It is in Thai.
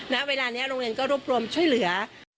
ณเวลานี้โรงเรียนก็รวบรวมช่วยเหลือ